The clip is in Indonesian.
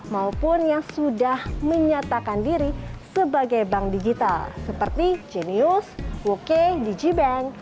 maupun yang sudah menyatakan diri sebagai bank digital seperti genius woke dg bank